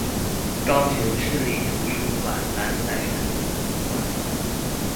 高雄市立圖書館楠仔坑分館